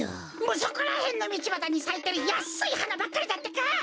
そこらへんのみちばたにさいてるやっすいはなばっかりだってか！